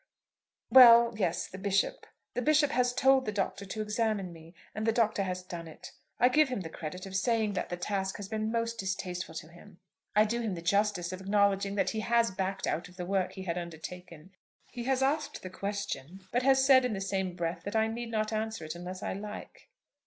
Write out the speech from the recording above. "Well, yes, the Bishop. The Bishop has told the Doctor to examine me, and the Doctor has done it. I give him the credit of saying that the task has been most distasteful to him. I do him the justice of acknowledging that he has backed out of the work he had undertaken. He has asked the question, but has said in the same breath that I need not answer it unless I like."